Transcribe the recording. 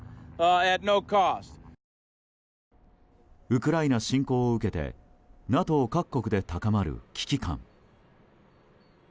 ウクライナ侵攻を受けてＮＡＴＯ各国で高まる危機感。